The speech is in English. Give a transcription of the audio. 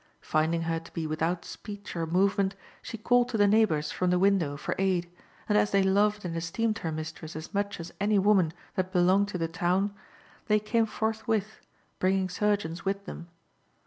Finding her to be without speech or movement, she called to the neighbours from the window for aid; and as they loved and esteemed her mistress as much as any woman that belonged to the town, they came forthwith, bringing surgeons with them.